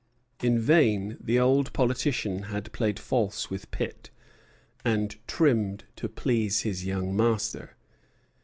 In vain the old politician had played false with Pitt, and trimmed to please his young master.